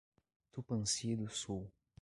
Tupanci do Sul